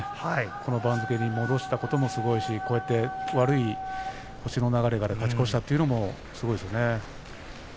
この番付に戻したこともすごいしこうやって悪い星の流れから勝ち越したというのもすごいですね。